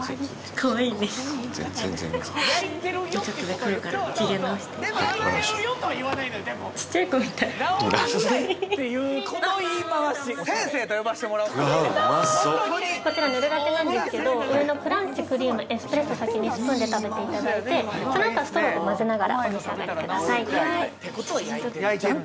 ・こちらＮｅｕｌラテなんですけど上のクランチクリームエスプレッソ先にスプーンで食べていただいてそのあとストローで混ぜながらお召し上がりくださいわっ！